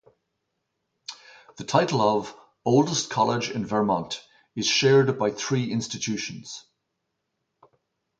The title of "oldest college in Vermont" is shared by three institutions.